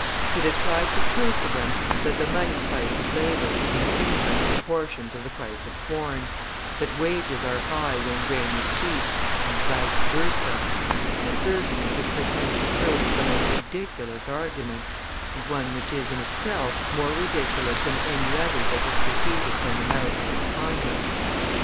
It has tried to prove to them that the money price of labour is in inverse proportion to the price of corn; that wages are high when grain is cheap, and vice versa, an assertion which it pretends to prove with the most ridiculous arguments, and one which is, in itself, more ridiculous than any other that has proceeded from the mouth of an Economist.